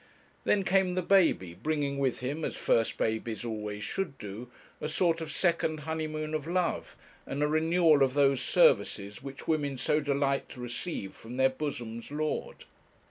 Then came the baby, bringing with him, as first babies always should do, a sort of second honeymoon of love, and a renewal of those services which women so delight to receive from their bosoms' lord.